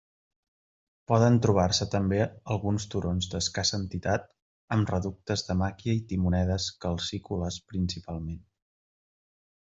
Poden trobar-se també alguns turons d'escassa entitat amb reductes de màquia i timonedes calcícoles principalment.